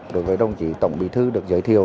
đối với đồng chí tổng bí thư được giới thiệu